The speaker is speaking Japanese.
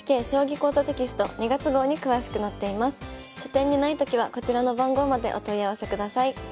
書店にないときはこちらの番号までお問い合わせください。